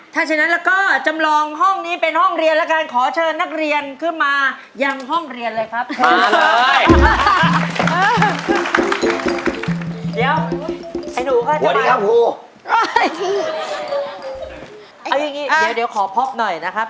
ถ้าฉะนั้นเราก็จำลองห้องนี้เป็นห้องเรียนแล้วกันขอเชิญนักเรียนขึ้นมายังห้องเรียนเลยครับ